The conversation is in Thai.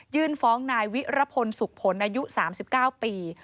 ยื่นฟ้องในวิระพลสุขผลอายุ๓๙ปี